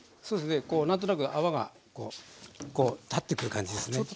そうですね何となく泡がこう立ってくる感じですね。